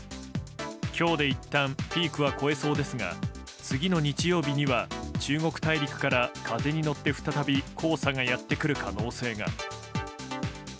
今日でピークは越えそうですが次の日曜日には中国大陸から風に乗って再び黄砂がやってくる可能性が。